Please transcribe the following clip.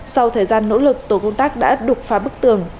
sau thời gian nỗ lực tổ công tác đã đục phá bức tường